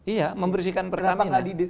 iya membersihkan pertamina